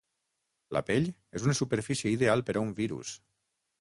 La pell és una superfície ideal per a un virus!